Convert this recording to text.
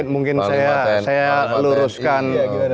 mungkin saya luruskan